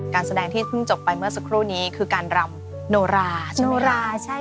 การแสดงที่เพิ่งจบไปเมื่อสักครู่นี้คือการรำโนราโนราใช่